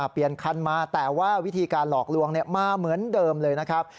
คันมาแต่ว่าวิธีการหลอกลวงมาเหมือนเดิมเลยนะครับ